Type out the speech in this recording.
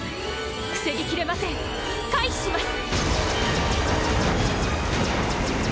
防ぎきれません回避します！